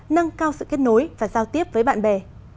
nâng cao sự kết nối và giao tiếp với bạn bè